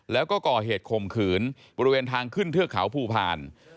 แล้วก็ก่อเหตุข่มขืนบริเวณทางขึ้นเทือกเขาภูพาล